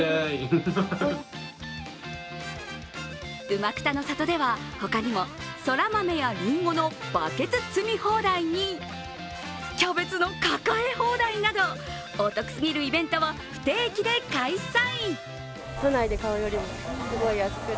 うまくたの里では他にもそら豆やりんごのバケツ詰み放題にキャベツの抱え放題など、お得すぎるイベントを不定期で開催。